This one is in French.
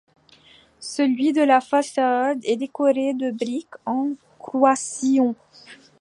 Celui de la façade est décoré de briques en croisillons.